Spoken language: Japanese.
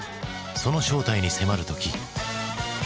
その正体に迫る時。